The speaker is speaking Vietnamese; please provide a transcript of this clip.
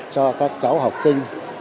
cho các cháu học sinh